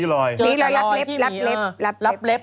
รอยรับเล็บรับเล็บ